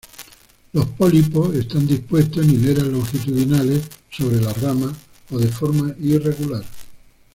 Los pólipos están dispuestos en hileras longitudinales sobre las ramas, o de forma irregular.